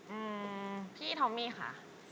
อืมพี่ทอมมี่ค่ะ